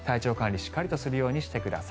しっかりするようにしてください。